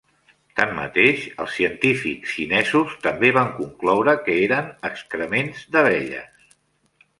Tanmateix, els científics xinesos també van concloure que eren excrements d'abelles.